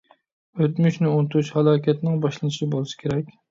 ئۆتمۈشنى ئۇنتۇش ھالاكەتنىڭ باشلىنىشى بولسا كېرەك.